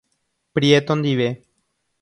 Prieto ndive.